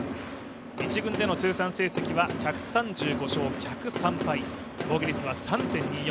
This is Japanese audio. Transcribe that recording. １軍での通算成績は１３５勝１０３敗、防御率は３．２４。